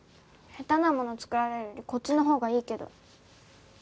下手なもの作られるよりこっちのほうがいいけど。